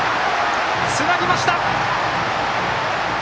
つなぎました！